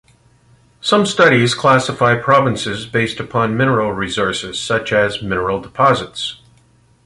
Some studies classify provinces based upon mineral resources, such as mineral deposits.